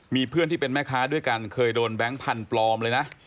มีเพื่อนที่เป็นแม่ค้าด้วยกันเคยโดนแบงค์พันธุ์ปลอมเลยนะ